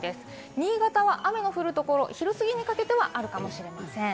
新潟は雨の降るところ昼すぎにかけてはあるかもしれません。